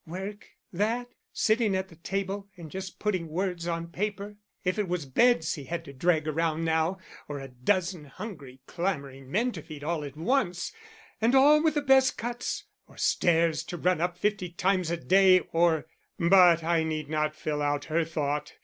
Work! that? Sitting at a table and just putting words on paper. If it was beds he had to drag around now, or a dozen hungry, clamoring men to feed all at once, and all with the best cuts, or stairs to run up fifty times a day, or but I need not fill out her thought.